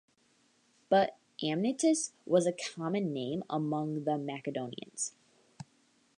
But Amyntas was a common name among the Macedonians.